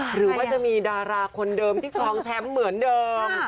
หรือว่าจะมีดาราคนเดิมที่คลองแชมป์เหมือนเดิม